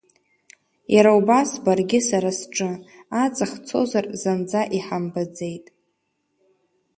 Иара убас баргьы сара сҿы, аҵых цозар зынӡа иҳамбаӡеит.